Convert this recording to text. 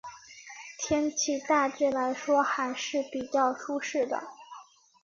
天气大致来说还是比较舒适的。